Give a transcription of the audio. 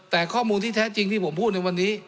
แต่ข้อมูลที่แท้จริงที่ผมพูดในวันนี้